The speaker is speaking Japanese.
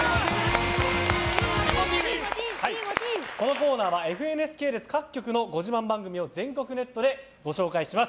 このコーナーはＦＮＳ系列各局のご自慢番組を全国ネットでご紹介します。